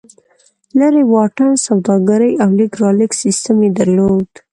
لرې واټن سوداګري او لېږد رالېږد سیستم یې درلود.